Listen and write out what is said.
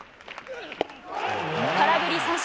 空振り三振。